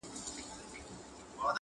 خو درد لا هم شته تل,